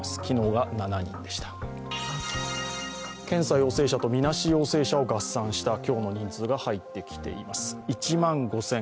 検査陽性者とみなし陽性者を合算した今日の人数が入ってきています。